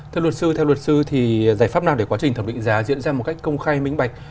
thưa luật sư theo luật sư thì giải pháp nào để quá trình thẩm định giá diễn ra một cách công khai minh bạch